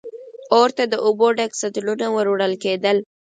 اور ته د اوبو ډک سطلونه ور وړل کېدل.